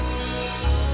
di video selanjutnya